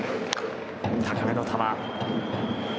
高めの球。